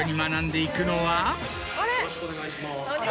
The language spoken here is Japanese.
・よろしくお願いします